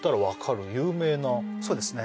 そうですねね